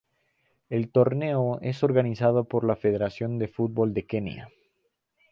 El torneo es organizado por la Federación de Fútbol de Kenia.